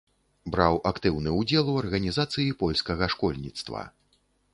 Браў актыўны ўдзел у арганізацыі польскага школьніцтва.